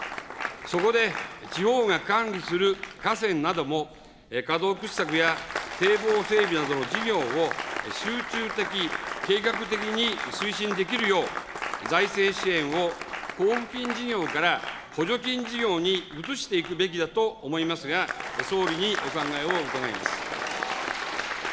そこで地方が管理する河川なども、河道掘削や堤防整備などの事業を、集中的、計画的に推進できるよう、財政支援を交付金事業から補助金事業に移していくべきだと思いますが、総理にお考えを伺います。